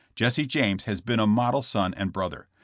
Jesse James has been a model son and brother.